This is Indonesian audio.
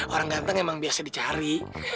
orang ganteng emang biasa dicari